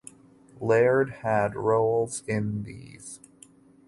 Laird had roles in these.